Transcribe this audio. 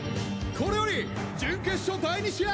これより準決勝第２試合